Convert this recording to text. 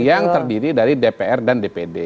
yang terdiri dari dpr dan dpd